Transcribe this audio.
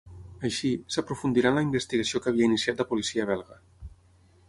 Així, s’aprofundirà en la investigació que havia iniciat la policia belga.